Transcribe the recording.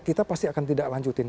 kita pasti akan tidak lanjutin